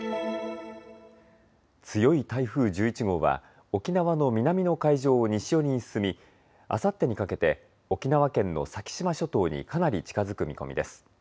強い台風１１号は沖縄の南の海上を西寄りに進みあさってにかけて沖縄県の先島諸島にかなり近づく見込みです。